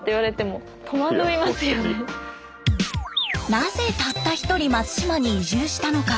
なぜたった１人松島に移住したのか？